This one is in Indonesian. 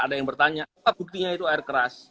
ada yang bertanya apa buktinya itu air keras